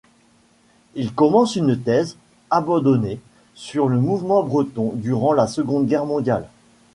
Il commence une thèse, abandonnée, sur le mouvement breton durant la Seconde Guerre mondiale.